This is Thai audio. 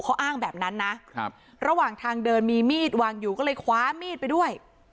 เขาอ้างแบบนั้นนะครับระหว่างทางเดินมีมีดวางอยู่ก็เลยคว้ามีดไปด้วย